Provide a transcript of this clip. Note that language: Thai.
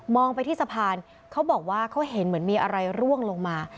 ไปที่สะพานเขาบอกว่าเขาเห็นเหมือนมีอะไรร่วงลงมา